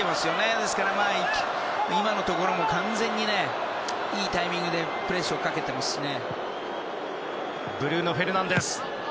ですから、今のところも完全にいいタイミングでプレスをかけていますね。